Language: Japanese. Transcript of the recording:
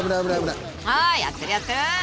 ［あやってるやってる］